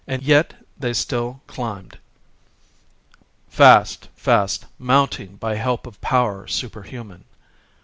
Yet still they climbed,—fast, fast,—mounting by help of power superhuman.